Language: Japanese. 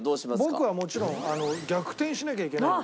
僕はもちろん逆転しなきゃいけないんで。